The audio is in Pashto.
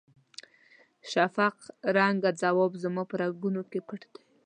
شفق رنګه ځواب زما په رګونو کې پټ دی.